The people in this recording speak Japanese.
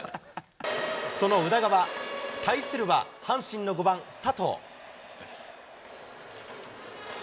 その宇田川、対するは阪神の５番佐藤。